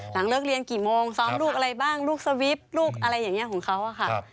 หลังเลิกเรียนกี่โมงซ้อมลูกอะไรบ้างลูกสวิปลูกอะไรอย่างนี้ของเขาค่ะ